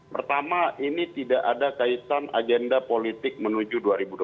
pertama ini tidak ada kaitan agenda politik menuju dua ribu dua puluh